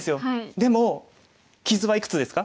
でも傷はいくつですか？